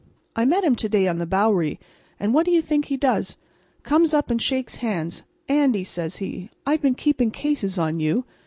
I met him to day on the Bowery, and what do you think he does? Comes up and shakes hands. 'Andy,' says he, 'I've been keeping cases on you.